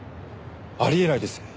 あり得ないです。